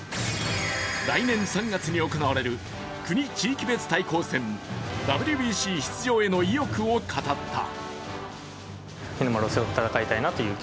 来年３月に行われる国・地域別対抗戦ＷＢＣ出場への意欲を語った。